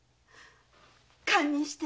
堪忍して！